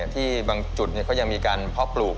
ที่บางจุดก็ยังมีการเพาะปลูก